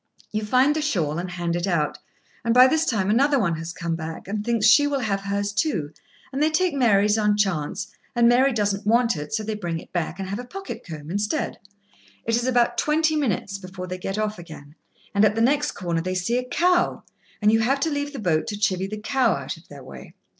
You find the shawl, and hand it out, and by this time another one has come back and thinks she will have hers too, and they take Mary's on chance, and Mary does not want it, so they bring it back and have a pocket comb instead. It is about twenty minutes before they get off again, and, at the next corner, they see a cow, and you have to leave the boat to chivy the cow out of their way.